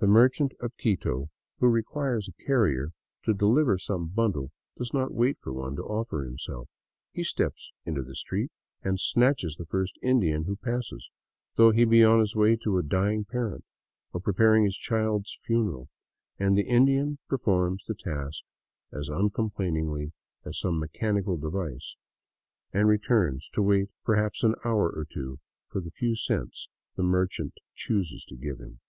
The merchant of Quito who requires a carrier to deliver 152 THE CITY OF THE EQUATOR some bundle does not wait for one to offer himself. He steps into the street and snatches the first Indian who passes, though he be on his way to a dying parent, or preparing his child's funeral ; and the Indian per forms the task as uncomplainingly as some mechanical device, and re turns to wait perhaps an hour or two for the few cents the merchant chooses to give him.